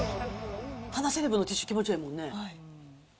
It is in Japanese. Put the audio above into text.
鼻セレブのティッシュ、気持ちええもんね。